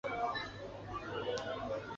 毕业于黄埔第十六期。